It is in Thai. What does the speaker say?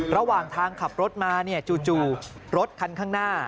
ระหว่างทางขับรถมาจู่รถคันข้างหน้า